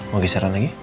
mau geseran lagi